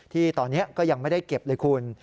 ที่ตอนนี้ก็ยังไม่ได้เก็บเลยคุณ